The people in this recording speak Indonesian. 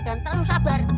dan terlalu sabar